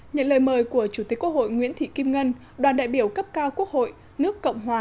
nhận lời mời của chủ tịch quốc hội nguyễn thị kim ngân đoàn đại biểu cấp cao quốc hội nước cộng hòa